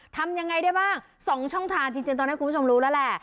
ทำยังไงได้บ้าง๒ช่องทางจริงตอนนี้คุณผู้ชมรู้แล้วแหละ